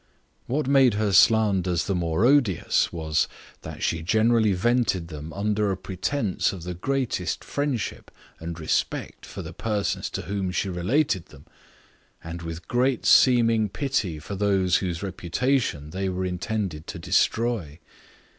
What made her slanders the more odious was, that she generally vented them under a pretence of the greatest friendship and respect for the persons to whom she related them, and with great seeming pity for those whose reputation they were intended to destroy.